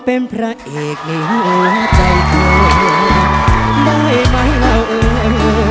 เป็นพระเอกในหัวใจเธอได้ไหมเราเอ่ย